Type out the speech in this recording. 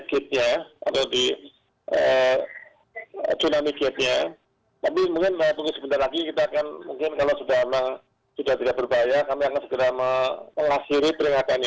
tapi mungkin sebentar lagi kita akan mungkin kalau sudah tidak berbahaya kami akan segera mengakhiri peringatannya